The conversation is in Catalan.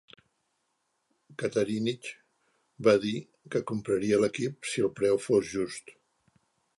Cattarinich va dir que compraria l'equip si el preu fos just.